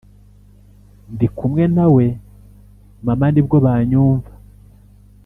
ndi kumwe nawe mama nibwo banyumva